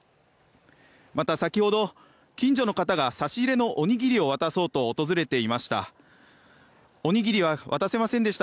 また、先ほど近所の方が差し入れのおにぎりを渡そうと訪れていました。